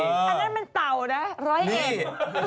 อันนั้นมันเต่านะร้อยเอ็ด